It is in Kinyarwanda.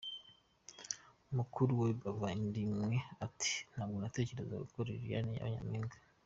Mukuru we bava indi imwe ati: "Ntabwo natekerezaga ko Liliane yaba Nyampinga.